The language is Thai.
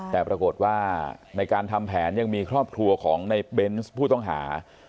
แต่ปรากฏว่าในการทำแผนยังมีครอบครัวของในเบนส์ผู้ต้องหา